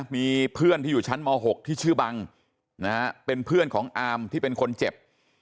มีเพื่อนที่อยู่ชั้นม๖ที่ชื่อบังเป็นเพื่อนของอามที่เป็นคนเจ็บ